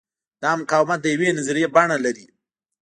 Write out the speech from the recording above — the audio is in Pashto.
دا مقاومت د یوې نظریې بڼه لري.